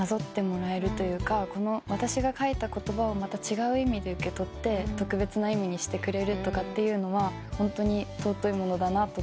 私が書いた言葉をまた違う意味で受け取って特別な意味にしてくれるとかっていうのはホントに貴いものだなと思っていて。